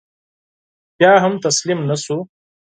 بیا هم تسلیم نه شو.